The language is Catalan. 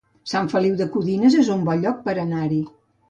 Sant Feliu de Codines es un bon lloc per anar-hi